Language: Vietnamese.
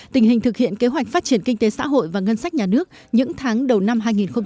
tình hình thực hiện kế hoạch phát triển kinh tế xã hội và ngân sách nhà nước những tháng đầu năm hai nghìn một mươi chín